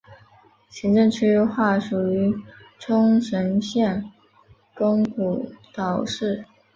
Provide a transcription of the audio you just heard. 行政区划属于冲绳县宫古岛市。